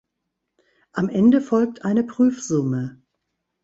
Am Ende folgt eine Prüfsumme.